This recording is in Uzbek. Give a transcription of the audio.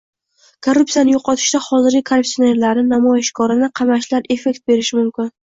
Korrupsiyani yo‘qotishda hozirgi korrupsionerlarni namoyishkorona qamashlar effekt berishi mumkin